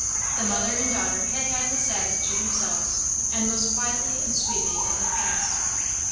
The mother and daughter had had the Sabbath to themselves; and most quietly and sweetly it had passed.